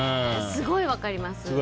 すごい分かります。